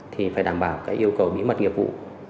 thì phải đảm bảo các yêu cầu bí mật nghiệp vụ